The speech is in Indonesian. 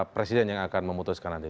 presiden yang akan memutuskan nanti